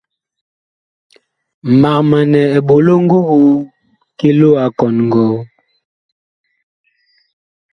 Mag manɛ eɓolo ngogoo ki loo a kɔn ngɔɔ.